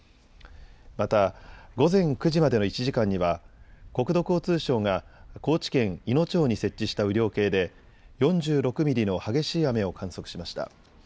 また午前９時までの１時間には国土交通省が高知県いの町に設置した雨量計で４６ミリの激しい雨を観測しました。